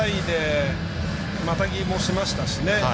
またぎもしましたしね。